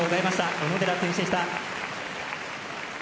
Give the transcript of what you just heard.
小野寺選手でした。